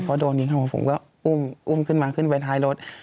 พอโดนยิงเขาครับผมก็อุ้มขึ้นมาขึ้นไปท้ายรถ